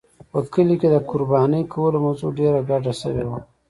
په کلي کې د قربانۍ کولو موضوع ډېره ګډه شوې وه.